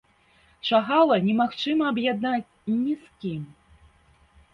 Шагала немагчыма аб'яднаць ні з кім.